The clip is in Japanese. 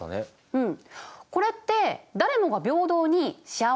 うん。